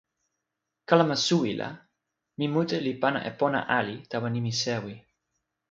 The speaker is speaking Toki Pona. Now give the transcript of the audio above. kalama suwi la, mi mute li pana e pona ali tawa nimi sewi.